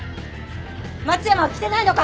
松山は来てないのか！？